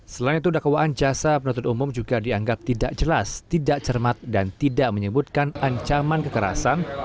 selain itu dakwaan jasa penuntut umum juga dianggap tidak jelas tidak cermat dan tidak menyebutkan ancaman kekerasan